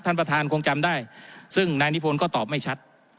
ท่านประธานคงจำได้ซึ่งนายนิพนธ์ก็ตอบไม่ชัด